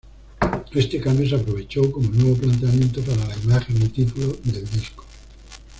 Este cambio se aprovechó como nuevo planteamiento para la imagen y título del disco.